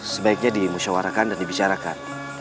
sebaiknya dimusyawarakan dan dibicarakan